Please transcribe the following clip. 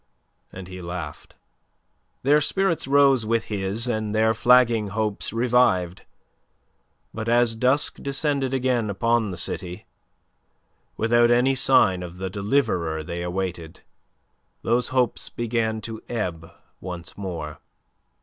And he laughed. Their spirits rose with his and their flagging hopes revived. But as dusk descended again upon the city, without any sign of the deliverer they awaited, those hopes began to ebb once more.